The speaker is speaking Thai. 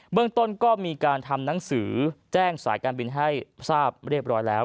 เมืองต้นก็มีการทำหนังสือแจ้งสายการบินให้ทราบเรียบร้อยแล้ว